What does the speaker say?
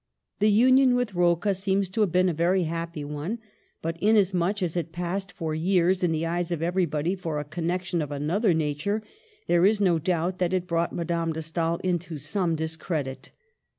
The union with Rocca seems to have been a very happy one ; but inasmuch as it passed for years in the eyes of everybody for a connection of another nature, there is no doubt that it brought Madame de Stael into some discredit.